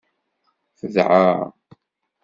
Tedɛa.